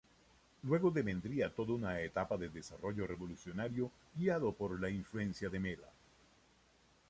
Luego devendría toda una etapa de desarrollo revolucionario, guiado por la influencia de Mella.